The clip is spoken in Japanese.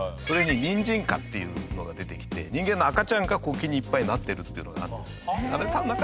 それに人参果っていうのが出てきて人間の赤ちゃんが木にいっぱいなってるっていうのがあるんですよ。